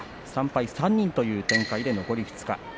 ３敗は３人という展開で残り２日。